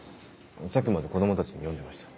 さっきまで子供たちに読んでました。